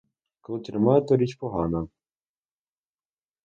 Коли тюрма, то річ погана.